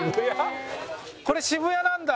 これ渋谷なんだ。